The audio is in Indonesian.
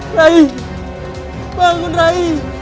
rai bangun rai